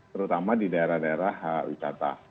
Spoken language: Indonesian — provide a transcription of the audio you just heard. terutama di daerah daerah wisata